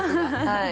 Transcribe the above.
はい。